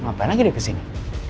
ngapain lagi dia kesini